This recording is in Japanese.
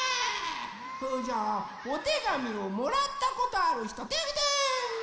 それじゃあおてがみをもらったことあるひとてをあげて！